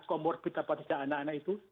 komorbid atau tidak anak anak itu